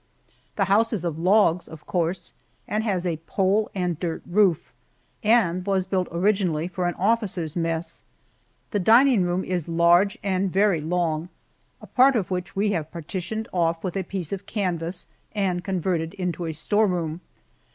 The house is of logs, of course, and has a pole and dirt roof, and was built originally for an officers' mess. The dining room is large and very long, a part of which we have partitioned off with a piece of canvas and converted into a storeroom.